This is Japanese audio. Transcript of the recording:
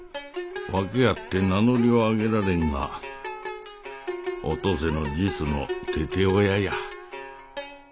訳あって名乗りは上げられんがお登勢の実の父親や。